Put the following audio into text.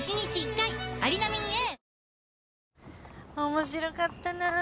面白かったなぁ。